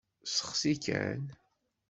Steqsi kan!